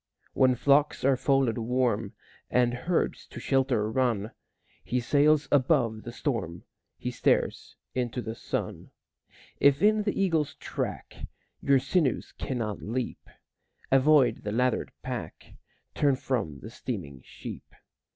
When flocks are folded warm, And herds to shelter run, He sails above the storm, He stares into the sun. If in the eagle's track Your sinews cannot leap, Avoid the lathered pack, Turn from the steaming sheep.